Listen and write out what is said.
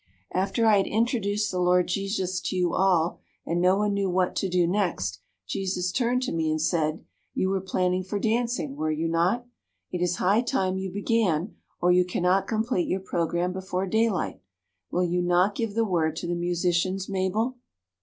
"After I had introduced the Lord Jesus to you all, and no one knew what to do next, Jesus turned to me and said: 'You were planning for dancing, were you not? It is high time you began, or you cannot complete your program before daylight. Will you not give the word to the musicians, Mabel?'